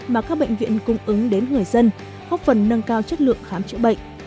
mà các bệnh viện cung ứng đến người dân hóc phần nâng cao chất lượng khám chữa bệnh